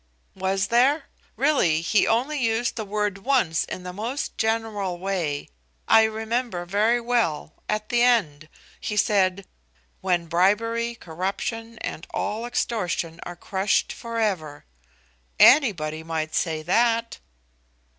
"Was there? Really, he only used the word once in the most general way. I remember very well, at the end; he said, 'when bribery, corruption, and all extortion are crushed forever;' anybody might say that!"